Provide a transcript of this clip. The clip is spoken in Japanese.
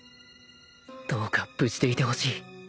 どうか無事でいてほしい